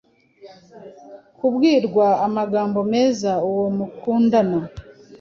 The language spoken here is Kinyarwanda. Kubwirwa amagambo meza uwo mukundana